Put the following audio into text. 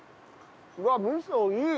うわ味噌いい！